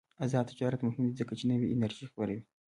آزاد تجارت مهم دی ځکه چې نوې انرژي خپروي.